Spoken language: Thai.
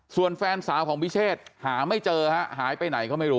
ส่วนแฟนสาวของพิเชษหาไม่เจอฮะหายไปไหนก็ไม่รู้